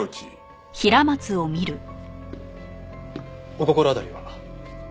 お心当たりは？